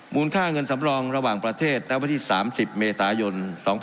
ค่าเงินสำรองระหว่างประเทศณวันที่๓๐เมษายน๒๕๖๒